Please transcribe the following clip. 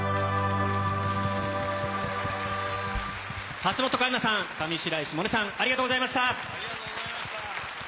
橋本環奈さん、上白石萌音さん、ありがとうございました。